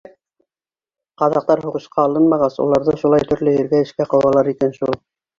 Ҡаҙаҡтар һуғышҡа алынмағас, уларҙы шулай төрлө ергә эшкә ҡыуалар икән шул.